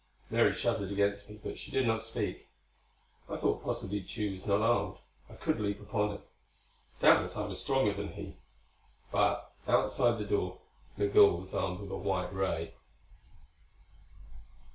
Mary shuddered against me, but she did not speak. I thought possibly Tugh was not armed; I could leap upon him. Doubtless I was stronger than he. But outside the door Migul was armed with a white ray.